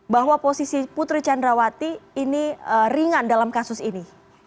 bahwa posisi putri candrawati ini ringan dalam kasus ini